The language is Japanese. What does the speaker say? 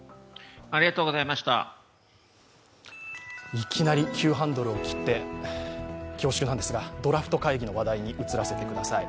いきなり急ハンドルを切って恐縮なんですがドラフト会議の話題に移らせてください。